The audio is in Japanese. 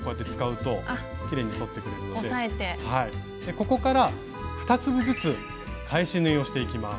ここから２粒ずつ返し縫いをしていきます。